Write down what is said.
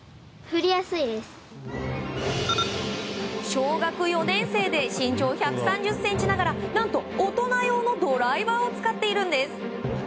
小学４年生で身長１３０ｃｍながら何と大人用のドライバーを使っているんです。